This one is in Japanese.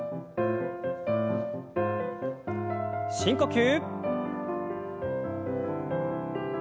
深呼吸。